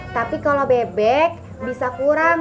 tapi kalau bebek bisa kurang